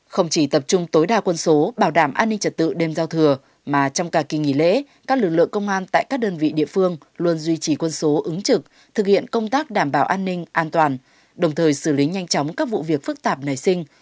không chỉ tập trung tối đa quân số bảo đảm an ninh trật tự đêm giao thừa mà trong cả kỳ nghỉ lễ các lực lượng công an tại các đơn vị địa phương luôn duy trì quân số ứng trực thực hiện công tác đảm bảo an ninh an toàn đồng thời xử lý nhanh chóng các vụ việc phức tạp nảy sinh